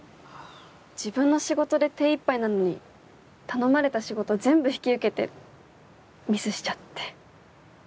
自分の仕事で手いっぱいなのに頼まれた仕事全部引き受けてミスしちゃって。